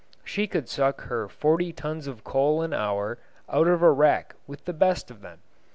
She could suck her forty tons of coal an hour out of a wreck with the best of them.